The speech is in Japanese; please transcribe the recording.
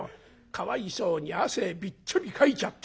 かわいそうに汗びっちょりかいちゃって。